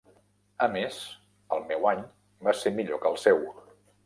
A més, el meu any va ser millor que el seu.